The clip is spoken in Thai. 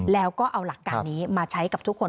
แล้วก็เอาหลักการนี้มาใช้กับทุกคน